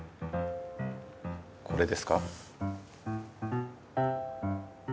これですか？